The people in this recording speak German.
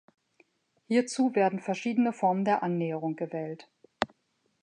Hierzu werden verschiedene Formen der Annäherung gewählt.